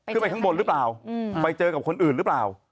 ขึ้นไปข้างบนหรือเปล่าไปเจอกับคนอื่นหรือเปล่า